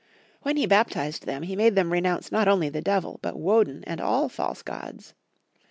When he baptized them he made them renounce not only the devil, but Woden and aU false gods.